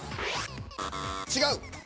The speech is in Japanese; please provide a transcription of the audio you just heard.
違う。